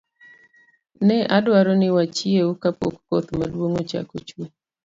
Ne adwaro ni wachiew kapok koth maduong' ochako chue.